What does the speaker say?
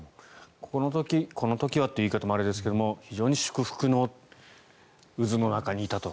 この時はっていう言い方もあれですが非常に祝福の渦の中にいたと。